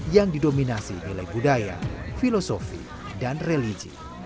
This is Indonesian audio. yang didominasi nilai budaya filosofi dan religi